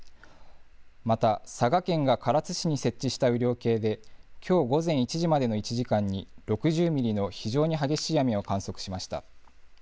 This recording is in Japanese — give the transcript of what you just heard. また佐賀県が唐津市に設置した雨量計で、きょう午前１時までの１時間に、６０ミリの非常に激しい雨を観測しました。